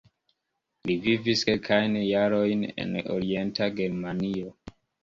Li vivis kelkajn jarojn en Orienta Germanio.